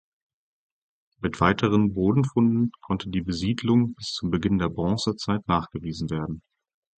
Mit weiteren Bodenfunden konnte die Besiedelung bis zum Beginn der Bronzezeit nachgewiesen werden.